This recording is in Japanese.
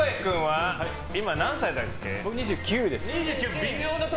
僕、２９です。